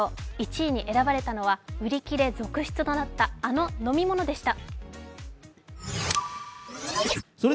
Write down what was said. １位に選ばれたのは売り切れ続出となったあの飲み物でした。